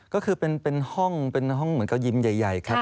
ก็คือเป็นห้องเหมือนกับยิ้มใหญ่ครับ